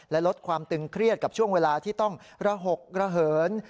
และลดความตึงเครียดกับช่วงเวลาที่ต้องระหกระเหิน